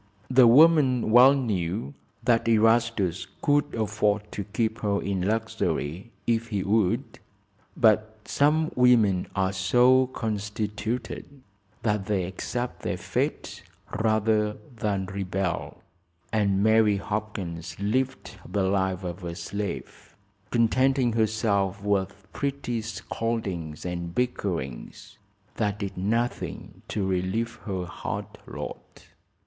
The woman well knew that Erastus could afford to keep her in luxury, if he would, but some women are so constituted that they accept their fate rather than rebel, and Mary Hopkins lived the life of a slave, contenting herself with petty scoldings and bickerings that did nothing to relieve her hard lot.